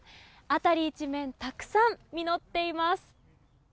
辺り一面たくさん実っています。